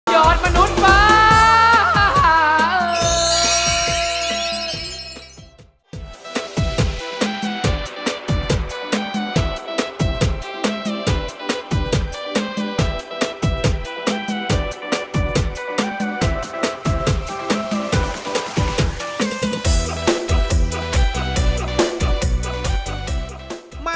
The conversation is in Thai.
ยอดมนุษย์ปลา